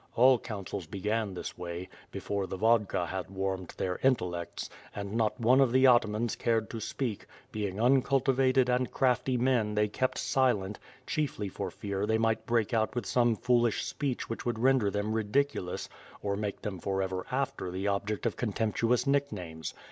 All councils began this way, before the vodka had warmed their intellects, and not one of the atamans cared to speak; being uncultivated and crafty men they kept silent, chielly for fear they might break out with some foolish speech which would render them ridicu lous, or make them forever after the object of contemptuous nicknames.